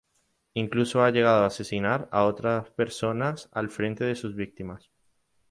Incluso ha llegado a asesinar a otras personas al frente de sus victimas.